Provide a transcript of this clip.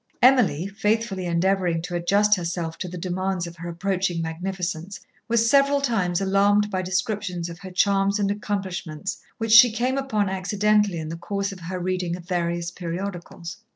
Emily, faithfully endeavouring to adjust herself to the demands of her approaching magnificence, was several times alarmed by descriptions of her charms and accomplishments which she came upon accidentally in the course of her reading of various periodicals.